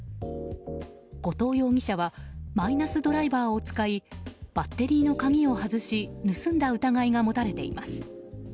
後藤容疑者はマイナスドライバーを使いバッテリーの鍵を外し盗んだ疑いが持たれています。